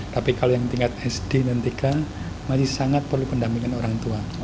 tapi kalau yang tingkat sd dan tiga masih sangat perlu pendampingan orang tua